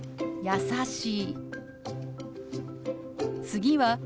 優しい。